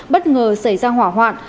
bất ngờ xảy ra hỏa hoạn